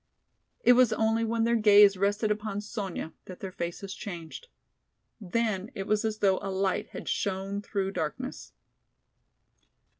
It was only when their gaze rested upon Sonya that their faces changed. Then it was as though a light had shone through darkness.